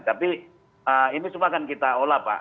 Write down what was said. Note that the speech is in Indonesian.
tapi ini semua akan kita olah pak